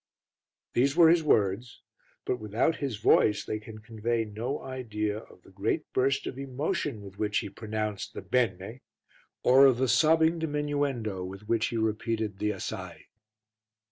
These were his words, but, without his voice, they can convey no idea of the great burst of emotion with which he pronounced the "bene," or of the sobbing diminuendo with which he repeated the "assai."